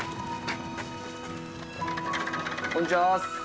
こんにちは。